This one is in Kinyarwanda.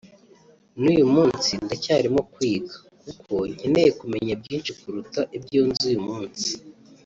n’uyu munsi ndacyarimo kwiga kuko nkeneye kumenya byinshi kuruta ibyo nzi uyu munsi